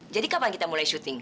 jadi kapan kita mulai syuting